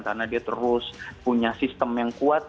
karena dia terus punya sistem yang kuat